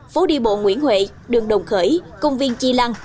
phố đi bộ nguyễn huệ đường đồng khởi công viên chi lăng